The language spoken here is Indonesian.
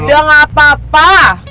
udah nggak apa apa